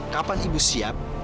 kapan ibu siap